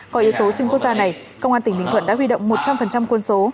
có yếu tố xuyên quốc gia này công an tỉnh bình thuận đã huy động một trăm linh quân số